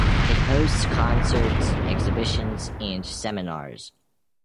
It hosts concerts, exhibitions, and seminars.